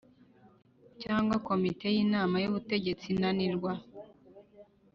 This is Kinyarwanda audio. Cyangwa komite y inama y ubutegetsi inanirwa